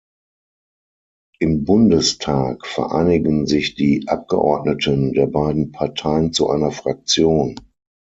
Im Bundestag vereinigen sich die Abgeordneten der beiden Parteien zu einer Fraktion.